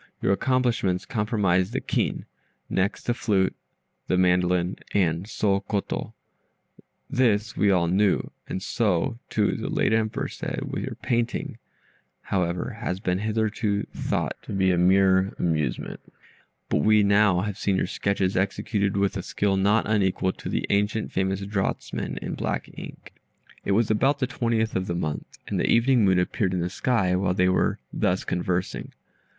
Your accomplishments comprised the kin, next the flute, the mandolin, and soh koto this we all knew, and so, too, the late Emperor said: your painting, however, has been hitherto thought to be mere amusement, but we now have seen your sketches executed with a skill not unequal to the ancient famous draughtsmen in black ink." It was about the twentieth of the month, and the evening moon appeared in the sky, while they were thus conversing.